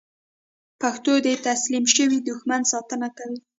پښتون د تسلیم شوي دښمن ساتنه کوي.